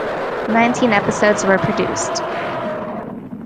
Nineteen episodes were produced.